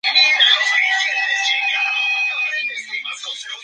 Es un barrio de población joven.